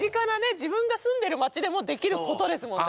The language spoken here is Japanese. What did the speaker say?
自分が住んでる町でもできることですもんね。